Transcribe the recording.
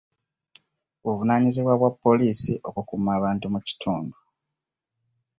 Buvunaanyizibwa bwa poliisi okukuuma abantu mu kitundu.